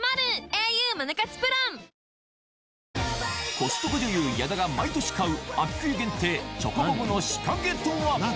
コストコ女優、矢田が毎年買う秋冬限定、チョコボムの仕掛けとは。